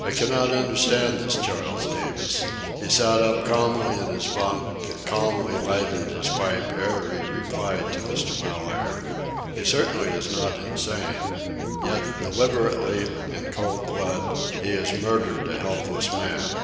I cannot understand this Charles Davis. He sat up calmly in his bunk, and calmly lighted his pipe ere he replied to Mr. Mellaire. He certainly is not insane. Yet deliberately, in cold blood, he has murdered a helpless man.